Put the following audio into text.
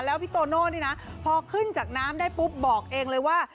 แล้วพี่โตโน่นี่นะพอขึ้นจากน้ำได้ปุ๊บบอกเองเลยว่า